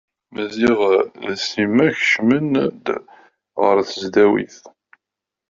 Maziɣ d Sima kecmen-d ɣer tesdawit.